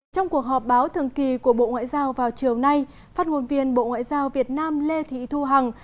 trong cuộc họp báo thường kỳ của bộ ngoại giao vào chiều nay phát ngôn viên bộ ngoại giao việt nam lê thị thu hằng